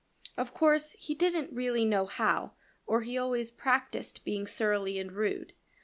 Of course he didn't really know how, for he always practiced being surly and rude.